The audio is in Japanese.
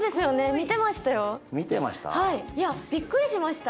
見てました？